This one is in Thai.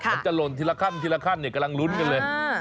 มันจะลนทีละขั้นทีละขั้นกำลังรุ้นกันเลย